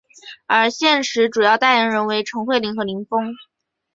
而现时主要代言人为陈慧琳和林峰。